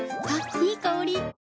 いい香り。